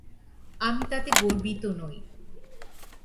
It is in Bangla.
আমি তাতে গর্বিত নই।